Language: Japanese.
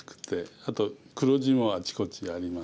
あと黒地もあっちこっちありまして。